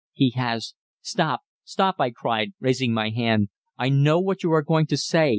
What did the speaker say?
He has " "Stop! Stop!" I cried, raising my head. "I know what you are going to say!